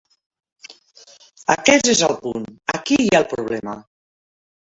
Aquest és el punt. Aquí hi ha el problema.